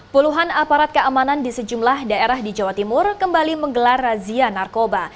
puluhan aparat keamanan di sejumlah daerah di jawa timur kembali menggelar razia narkoba